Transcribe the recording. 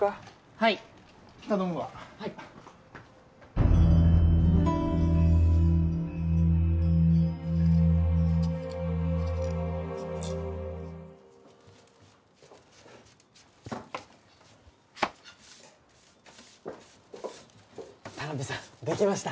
はい・頼むわはい田辺さんできました